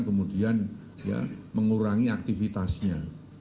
kemudian mengurangi aktivitasnya